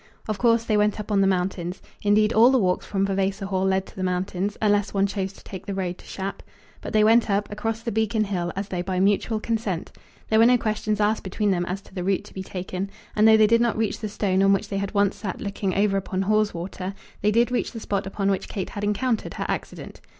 Of course, they went up on the mountains. Indeed, all the walks from Vavasor Hall led to the mountains, unless one chose to take the road to Shap. But they went up, across the beacon hill, as though by mutual consent. There were no questions asked between them as to the route to be taken; and though they did not reach the stone on which they had once sat looking over upon Haweswater, they did reach the spot upon which Kate had encountered her accident.